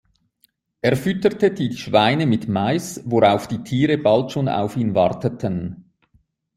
Er fütterte die Schweine mit Mais, worauf die Tiere bald schon auf ihn warteten.